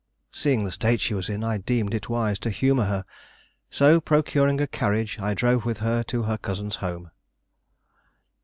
Seeing the state she was in, I deemed it wise to humor her. So, procuring a carriage, I drove with her to her cousin's home.